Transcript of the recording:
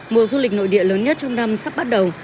mùa du lịch nội địa lớn nhất trong năm sắp bắt đầu